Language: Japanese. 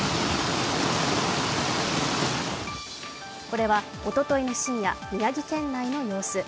これはおとといの深夜宮城県内の様子。